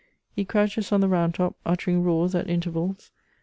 He crouches on the round top, uttering roars at intervals.